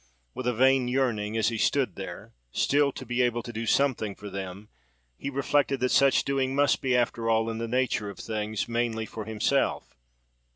With a vain yearning, as he stood there, still to be able to do something for them, he reflected that such doing must be, after all, in the nature of things, mainly for himself.